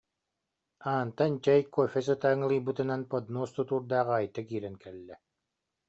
Аантан чэй, кофе сыта аҥылыйбытынан поднос тутуурдаах Айта киирэн кэллэ: